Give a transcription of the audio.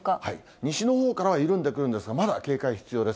西のほうからは緩んでくるんですが、まだ警戒必要です。